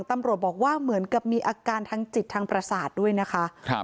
ตำรวจบอกว่าเหมือนกับมีอาการทางจิตทางประสาทด้วยนะคะครับ